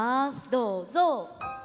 どうぞ。